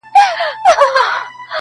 چی په ژوند کی مو لیدلي دي اورونه-